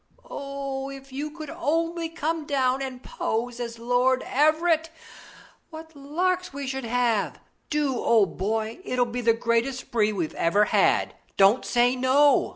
Oh, if you could only come down and pose as Lord Everett! What larks we should have! Do, old boy; it'll be the greatest spree we've ever had. Don't say 'no.'